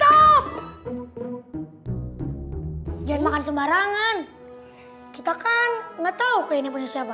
jangan makan sembarangan kita kan gak tau kuih ini punya siapa